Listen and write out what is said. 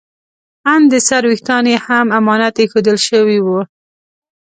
ان د سر ویښتان یې هم امانت ایښودل شوي وو.